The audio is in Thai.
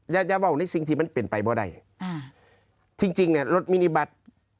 อย่าอย่าว่าในสิ่งที่มันเป็นไปบ่วนใดอ่าจริงจริงเนี่ยรถมินิบัตร